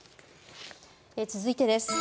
続いてです。